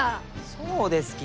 そうですき！